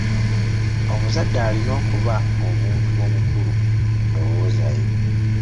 Omuzadde alina okuba omuntu omukulu mu ndowooza ye.